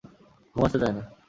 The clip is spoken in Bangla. ঘুম আসতে চায় না।